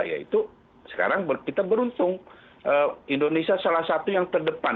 yaitu sekarang kita beruntung indonesia salah satu yang terdepan